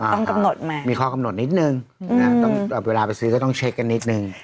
ต้องกำหนดมามีข้อกำหนดนิดนึงเวลาไปซื้อก็ต้องเช็คกันนิดนึง